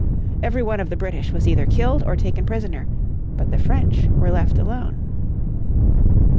Every one of the British was either killed or taken prisoner, but the French were left alone.